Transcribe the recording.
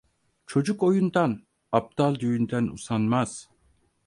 Çocuk oyundan, aptal düğünden usanmaz.